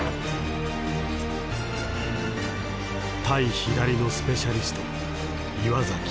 対左のスペシャリスト岩崎。